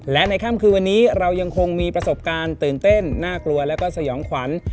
และในค่ำคืนวันนี้เรายังคงมีประสบการณ์ตื่นเต้นน่ากลัวแล้วก็สยองขวัญ